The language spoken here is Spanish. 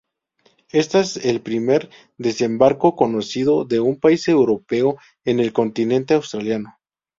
Esta es el primer desembarco conocido de un país europeo en el continente australiano.